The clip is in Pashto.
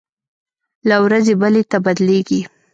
له ورځې بلې ته بدلېږي.